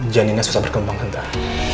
janinnya susah berkembang entar